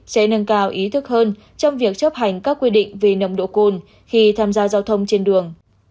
sẽ nâng cao ý thức hơn trong việc chấp hành các quy định về nồng độ cồn khi tham gia giao thông trên đường